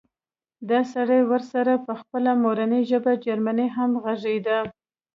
دا سړی ورسره په خپله مورنۍ ژبه جرمني هم غږېده